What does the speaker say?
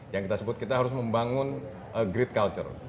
yang kita sebut kita harus membangun a great culture